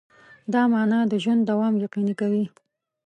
دا مانا د ژوند دوام یقیني کوي.